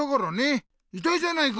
いたいじゃないか！